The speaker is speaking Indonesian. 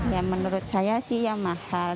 ya menurut saya sih ya mahal